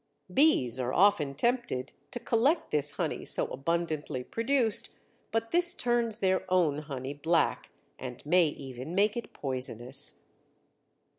Bees are very often tempted to collect this honey so abundantly produced, but this turns their own honey black, and may even make it poisonous.